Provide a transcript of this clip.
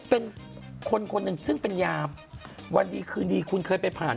เป็นคนคนหนึ่งซึ่งเป็นยามวันดีคืนดีคุณเคยไปผ่าน